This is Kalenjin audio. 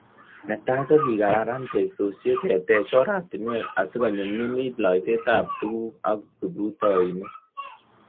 Ne tai, kekararan teksosyek, keteech oratinweek asi konyumnyumit loiseetab tuguuk ako kiprutoinik.